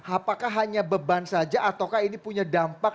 apakah hanya beban saja ataukah ini punya dampak